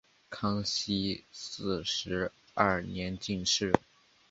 康熙四十二年进士。